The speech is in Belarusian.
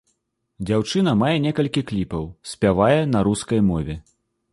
Дзяўчына мае некалькі кліпаў, спявае на рускай мове.